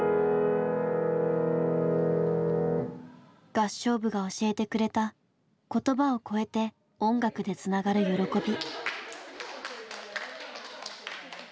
合唱部が教えてくれた言葉を超えて音楽でつながる喜び。